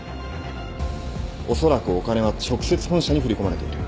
おそらくお金は直接本社に振り込まれている。